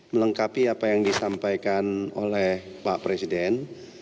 melengkapi apa yang disampaikan oleh pak presiden